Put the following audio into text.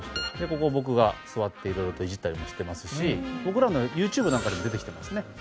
ここは僕が座って色々といじったりもしてますし僕らのユーチューブなんかでも出てきてますね。